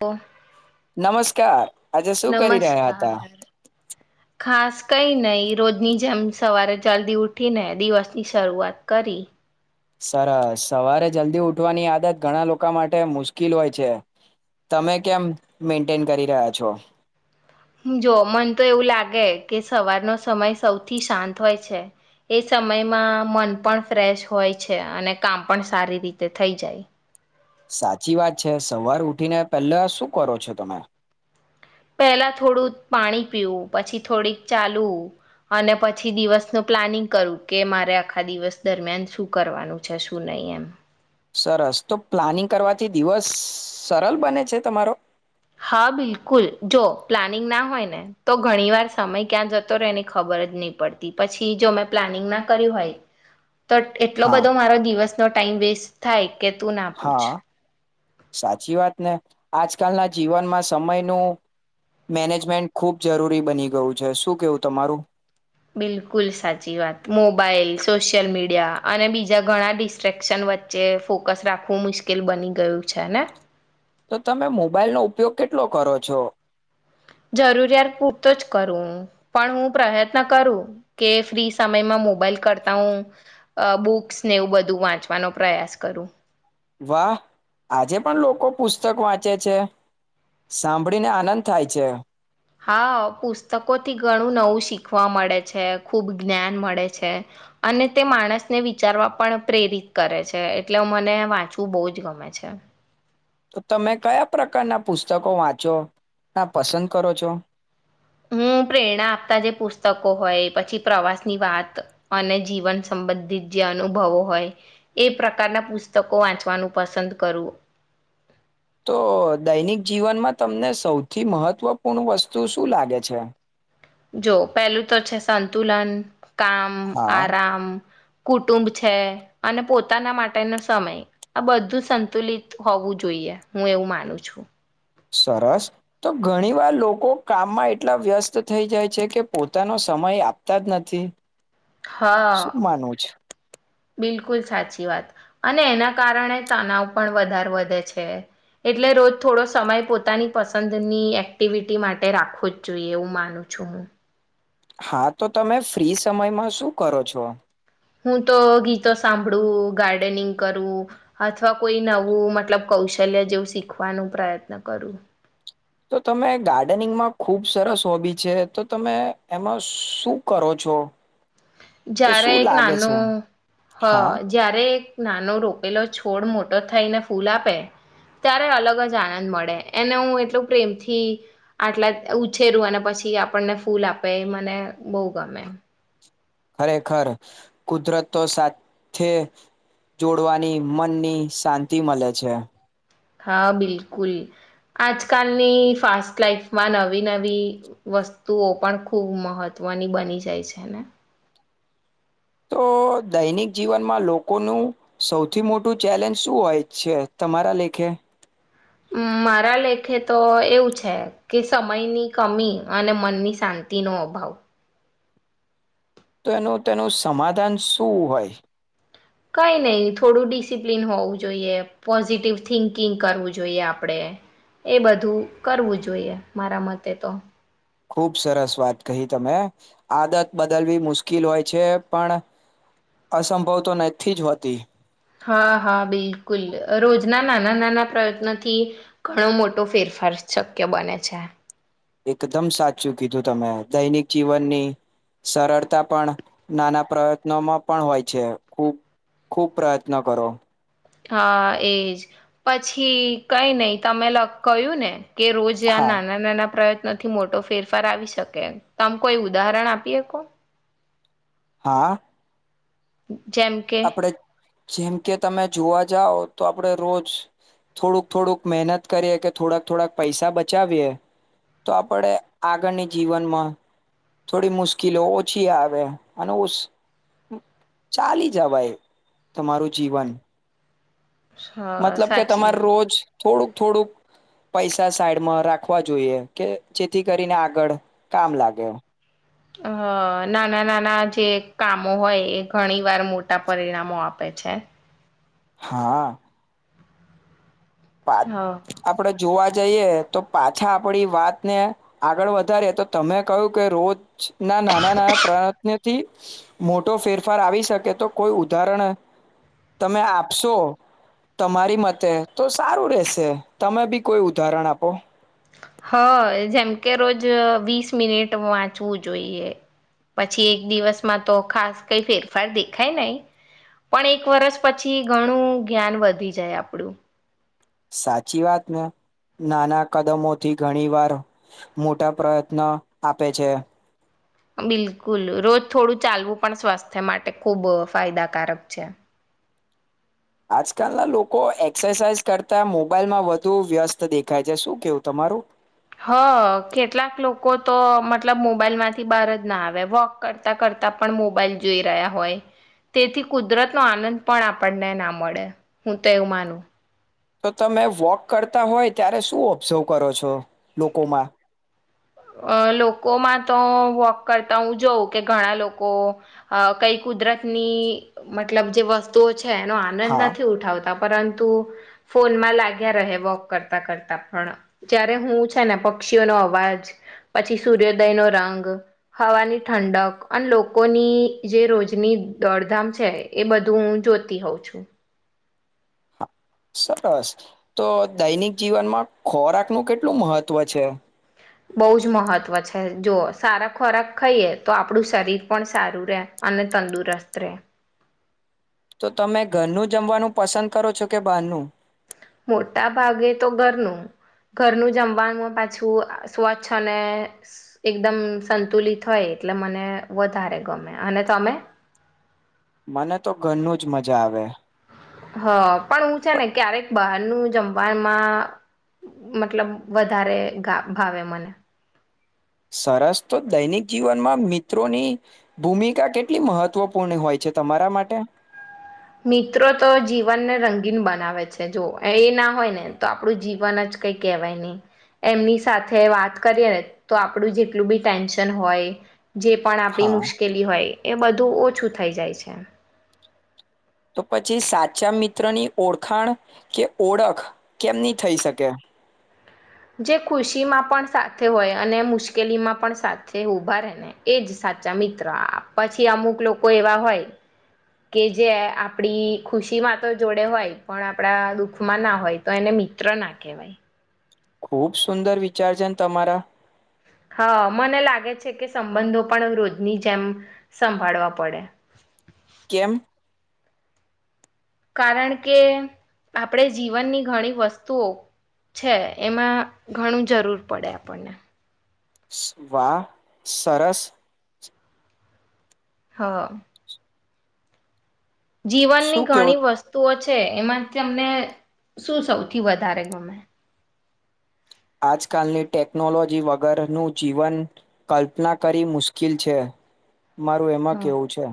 તો નમસ્કાર આજે શું કરી રહ્યા હતા નમસ્કાર. ખાસ કંઈ નહીં રોજની જેમ સવારે જલ્દી ઉઠીને દિવસની શરૂઆત કરી સરસ સવારે જલ્દી ઉઠવાની આદત ઘણા લોકો માટે મુશ્કેલ હોય છે તમે કેમ મેન્ટેન કરી રહ્યા છો. જો મન તો એવું લાગે કે સવારનો સમય સૌથી શાંત હોય છે એ સમયમાં મન પણ ફ્રેશ હોય છે અને કામ પણ સારી રીતે થઈ જાય. સાચી વાત છે સવાર ઉઠીને પહેલા શું કરો છો તમે પહેલા થોડું પાણી પીવું પછી થોડીક ચાલવું અને પછી દિવસનું પ્લાનિંગ કરું કે મારે આખા દિવસ દરમિયાન શું કરવાનું છે શું નહી એમ. સરસ તો પ્લાનિંગ કરવાથી દિવસ સરળ બને છે તમારો. હા બિલકુલ જો પ્લાનિંગ ના હોય ને તો ઘણી વાર સમય ક્યાં જતો રહેને ખબર જ નહી પડતી પછી જો મેં પ્લાનિંગ ના કર્યું હોય તો એટલો હા બધો મારો દિવસ- નો ટાઈમ વેસ્ટ થાય. કે તું ના પૂછ હા સાચી વાત ને આજકાલના જીવનમાં સમયનું મેનેજમેન્ટ ખૂબ જરૂરી બની ગયું છે શું કેવું તમારું બિલકુલ સાચી વાત મોબાઈલ સોશિયલ મીડિયા અને બીજા ઘણા ડિસ્ટ્રેક્શન વચ્ચે ફોકસ રાખવું મુશ્કેલ બની ગયું છે ને. તો તમે મોબાઈલ નો ઉપયોગ કેટલો કરો છો. જરૂરિયાત પૂરતો જ કરું હું પણ હું પ્રયત્ન કરું કે ફ્રી સમયમાં મોબાઈલ કરતા હું બુક્સને એવું બધું વાંચવાનો પ્રયાસ કરું. વાહ આજે પણ લોકો પુસ્તક વાંચે છે સાંભળીને આનંદ થાય છે. હા પુસ્તકોથી ઘણું નવું શીખવા મળે છે ખૂબ જ્ઞાન મળે છે અને તે માણસને વિચારવા પણ પ્રેરિત કરે છે એટલે મને વાંચવું બહુ જ ગમે છે. તો તમે કયા પ્રકારના પુસ્તકો વાંચો ના પસંદ કરો છો. હું પ્રેરણા આપતા જે પુસ્તકો હોય પછી પ્રવાસની વાત અને જીવન સંબંધિત જે અનુભવો હોય એ પ્રકારના પુસ્તકો વાંચવાનું પસંદ કરું તો દૈનિક જીવનમાં તમને સૌથી મહત્વપૂર્ણ વસ્તુ શું લાગે છે. જો પેલું તો છે સંતુલન કામ હા આરાામ કુટુંબ છે અને પોતાના માટેનો સમય આ બધું સંતુલિત હોવું જોઈએ હું એવું માનું છું. સરસ તો ઘણી વાર લોકો કામમાં એટલા વ્યસ્ત થઈ જાય છે કે પોતાનો સમય આપતા જ નથી. હા શું માનવું છે બિલકુલ સાચી વાત અને એના કારણે તનાવ પણ વધારે વધે છે એટલે રોજ થોડો સમય પોતાની પસંદની એક્ટિવિટી માટે રાખવો જ જોઈએ એવું માનું છું હું. હા તો તમે ફ્રી સમયમાં શું કરો છો. હું તો ગીતો સાંભળું ગાર્ડનિંગ કરું અથવા કોઈ નવું મતલબ કૌશલ્ય જેવું શીખવાનું પ્રયત્ન કરું. તો તમે ગાર્ડનિંગમાં ખુબ સરસ હોબી છે તો તમે એમાં શું કરો છો. કે જ્યારે શું એક લાગે છે નાનું હ હા જ્યારે એક નાનો રોપેલો છોડ મોટો થઈને ફૂલ આપે ત્યારે અલગ જ આનંદ મળે એને હું એટલું પ્રેમથી આટલા ઉછેરું અને પછી આપણને ફૂલ આપે મને બહુ ગમે. ખરેખર કુદરતો સાથે જોડવાની મનની શાંતિ મળે છે. હા બિલકુલ આજકાલની ફાસ્ટ લાઈફમાં નવી નવી વસ્તુઓ પણ ખૂબ મહત્વની બની જાય છે ને તો દૈનિક જીવનમાં લોકોનું સૌથી મોટું ચેલેન્જ શું હોય છે તમારા લેખે. મારા લેખે તો એવું છે કે સમયની કમી અને મનની શાંતિનોો અભાવ. તો એનું તેનું સમાધાન શું હોય. કઈ નહી થોડું ડિસિપ્લિન હોવું જોઈએ પોઝિટિવ થિંકિંગ કરવું જોઈએ આપણેે એ બધું કરવું જોઈએ મારા મતે તો. ખુબ સરસ વાત કહી તમે આદત બદલવી મુશ્કેલ હોય છે પણ અસંભવ તો નથી જ હોતી. હા હા બિલકુલ રોજના નાના નાના પ્રયત્નોથી ઘણો મોટો ફેરફાર શક્ય બને છે. એકદમ સાચું કીધું તમે દૈનિક જીવનની સરળતા પણ નાના પ્રયત્નોમાં પણ હોય છે ખૂબ ખૂબ પ્રયત્ન કરો. હા એજ પછી કઈ નહી તમે કહું ને. કે રોજ આ હા નાના નાના પ્ર નથી મોટો ફેરફાર આવી શકે તમ કોઈ ઉદાહરણ આપીએ કો હા. હ. જેમ કે આપણે જેમ કે તમે જોવા જાવ તો આપડે રોજ થોડુંક થોડુંક મહેનત કરીએ કે થોડાક થોડાક પૈસા બચાવીએ તો આપડ આગળની જીવનમાં થોડી મુશ્કેલો ઓછી આવે અને ચાલી. જવાય તમારું જીવન હા મતલબ કે સાચી તમારે વાત રોજ થોડુંક થોડુંક પૈસા સાઈડમાં રાખવા જોઈએ કે જેથી કરીને આગળ કામ લાગે હ નાના નાના જે કામો હોય એ ઘણી વાર મોટા પરિણામો આપે છે હા આપડે જોવા જઈએ તો પાછા આપડી વાતને આગળ વધારી તો તમે કહું કે રોજ ના નાના નાના પ્રાને થી મોટો ફેરફાર આવી શકે તો કોઈ ઉદાહરણ તમે આપશો તમારી મતે. તો સારું રશે તમે બી કોઈ ઉદાહરણ આપો હ જેમ કે રોજ વીસ મિનિટ વાંચવું જોઈએ પછી એક દિવસમાં તો ખાસ કઈ ફેરફાર દેખાય નહી પણ એક વરષ પછી ઘણું જ્ઞાન વધી જાય આપણું. સાચી વાતને નાના કદમોથી ઘણી વાર મોટા પ્રયત્ન આપે છે. બિલકુલ રોજ થોડું ચાલવું પણ સ્વાસ્થ્ય માટે ખુબ ફાયદાકારક છે. આજકાલના લોકો એક્સરસાઇઝ કરતા, મોબાઈલમાં વધુ વ્યસ્ત દેખાય છે શું કેવું તમારું? હ કેટલાક લોકો તો મતલબ મોબાઈલ માંથી બહાર જ ના આવે વોક કરતા કરતા પણ મોબાઈલ જોઈ રહ્યા હોય તેથી કુદરત નો આનંદ પણ આપણને ના મળે હું તો એવું માનું. તો તમે વોક કરતા હોય, ત્યારે શું ઓબ્ઝર્વ કરો છો લોકોમાં? અ લોકોમાં તો વોક કરતા હું જોઉં કે ઘણા લોકો કઈ કુદરતની મતલબ જે વસ્તુઓ છ છે એનો આનંદ હા નથી ઉઠાવતા. પરંતુ ફોનમાં લાગ્યા રહે વોક કરતા કરતા પણ જય્યારે હું છે ને પક્ષીઓનો અવાજ પછી સૂર્યોદયનોો રંગ હવાની ઠંડક અને લોકોની જે રોજની દોડધામ છે એ બધું હું જોતી હોઉં છું. હા સરસ તો દૈનિક જીવનમાં ખોરાકનુ કેટલું મહત્વ છે. બહુ જ મહત્ત્વ છે જો સારા ખોરાક ખાઈએ તો આપણું શરીર પણ સારું રે અને તંદુરસ્ત રહેે. તો તમે ઘરનું જમવાનું પસંદ કરો છો, કે બહારનું? મોટા ભાગે તો ઘરનું ઘરનું જમવાનું પાછું સ્વચ્છ અને એકદમ સંતુલિત હોય એટલે મને વધારે ગમે. અને તમે? મને તો ઘરનું જ મજા આવે. હ પણ હું છે ને ક્યારેક બહારનું જમવામાં મતલબ વધારે ગા ભાવે મને. સરસ તો દૈનિક જીવનમાં મિત્રોની ભૂમિકા કેટલી મહત્વપૂર્ણ હોય છે તમારા માટે? મિત્રો તો જીવનને રંગીન બનાવે છે જો એ ના હોય ને તો આપણું જીવન જ કઈ કેહેવાય નહી એમની સાથે વાત કરીએ ને તો આપણું જેટલું બી ટેન્શન હોય જે પણ આપણી હા મુશ્કેલી હોય. એ બધું ઓછું થઈ જાય છે. તો પછી સાચા મિત્રની ઓળખાણ કે ઓળખ કેમની થઈ શકે? જે ખુશી માં પણ સાથે હોય અને મુશ્કેલીમાં પણ સાથે ઊભા રહેે ને એજ સાચા મિત્ર પછી અમુક લોકો એવા હોય કે જે આપડી ખુશીમાં તો જોડે હોય પણ આપણા દુઃખમાં ના હોય તો એને મિત્ર ના કહેવાય. ખુબ સુંદર વિચાર છે ને તમારા. હા મને લાગે છે કે સંબંધો પણ રોજની જેમ સંભાળવા પડે. કેમ? કારણ કે આપણે જીવનની ઘણી વસ્તુઓ છે એમાં ઘણું જરૂર પડે આપણને. વા સરસ. હા. જીવનની શું ઘણી કેવું વસ્તુઓ છ છે એમાં તમને શું સૌથી વધારે ગમે? આજકાલની ટેકનોલોજી વગરનું જીવન કલ્પના કરી મુશ્કેલ છે. મારું એમાં કેવું છે.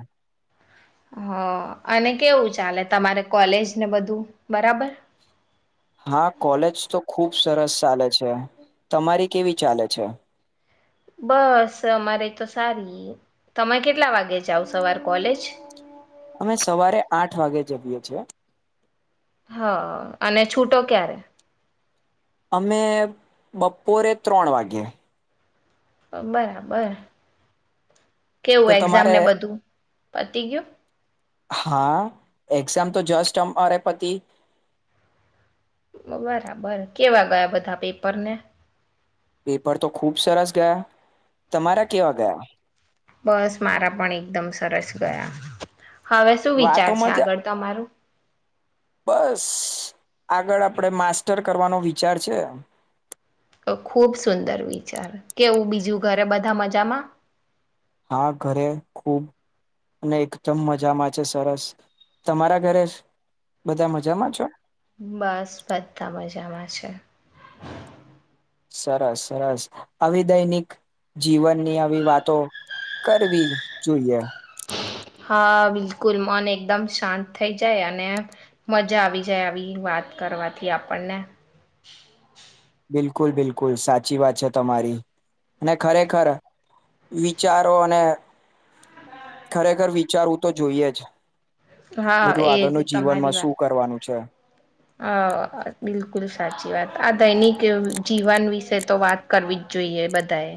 હ અને કેવું ચાલે તમારે કોલેજ ને બધું બરાબર. હા કોલેજ તો ખુબ સરસ ચાલે છે. તમારી કેવી ચાલે છે? બસ અમારે તો સારી. તમે કેટલા વાગે જાાવ સવાર કોલેજ? અમે સવારે આઠ વાગે જઈએ છીએ. હા અને છૂટો ક્યારે? અમે બપોરે ત્રણ વાગ્યે. બરાબર. તો કેવું એક્ઝામ તમારે ને બધું પતીકું હા એક્ઝામ તો જસ્ટ અ અરે પતિ બરાબર કેવા ગયા બધા પેપરને પેપર તો ખુબ સરસ ગયા તમારા કેવા ગયા બસ મારા પણ એકદમ સરસ ગયા હવે શું વિચાર છે વાતોમાં જ આગળ તમારું બસ આગળ આપણેે માસ્ટર કરવાનો વિચાર છે તો ખુબ સુંદર વિચાર કેવું બીજું ઘરે બધા મજામાં હા ઘરે ખુબ અને એકદમ મજામાં છે સરસ તમારા ઘરે બધા મજામાં છો બસ બધા મજામાં છે સરસ સરસ આવીિ દૈનિક જીવનની આવી વાતો કરવી જોઈએ હા બિલકુલ મન એકદમ શાંત થઈ જાય અને મજા આવી જાય આવી વાત કરવાથી આપણને બિલકુલ બિલકુલ સાચી વાત છે તમારી અને ખરેખર વિચારો અને ખરેખર વિચારવું તો જોઈએ જ હા બધું એજ આગળનું જીવનમાં તમારી વાત શું કરવાનું છે હ બિલકુલ સાચી વાત આ દૈનિક જીવન વિશે તો વાત કરવી જ જોઈએ બધાએ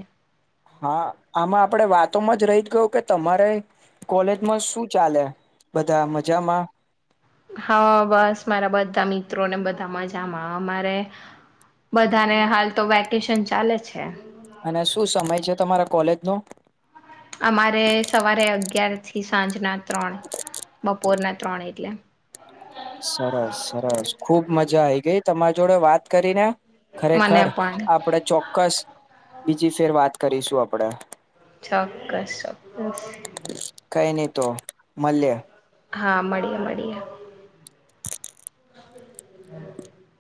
હા આમાં આપણે વાતોમાં જ રહી ગયું કે તમારે કોલેજમાં શું ચાલે બધા મજામાં હા બસ મારા બધા મિત્રો ને બધા મજામાં અમારે બધાને હાલ તો વેકેશન ચાલે છે અને શું સમય છે તમારા કોૉલેજનો અમારે સવારે અગિયાર થી સાંજના ત્રણ બપોર ના ત્રણ એટલે સરસ સરસ ખુબ મજા આઈ ગઈ તમારી જોડે વાત કરી ને મને ખરેખર પણ આપડે ચોક્કસ બીજી ફેર વાત કરીશું આપણેે ચોક્કસ ચોક્કસ [inaudible] મળલ્યા હા મળીએ મળીએ [inaudible] [inaudible]